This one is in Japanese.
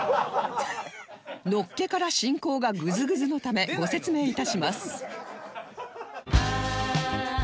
のっけから進行がグズグズなためご説明致します